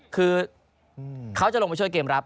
คือเขาจะลงไปช่วยเกมรับ